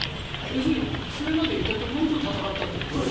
それまでいたところと戦ったということでしょ。